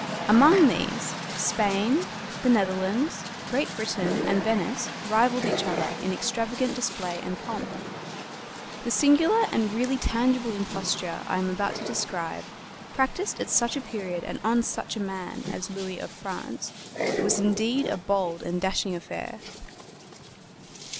Among these, Spain, the Netherlands, Great Britain, and Venice rivaled each other in extravagant display and pomp. The singular and really tangible imposture I am about to describe, practiced at such a period and on such a man as Louis of France, was indeed a bold and dashing affair.